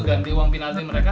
ganti uang penalti mereka